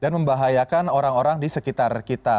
dan membahayakan orang orang di sekitar kita